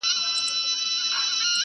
د زمانې په افسانو کي اوسېدلی چنار،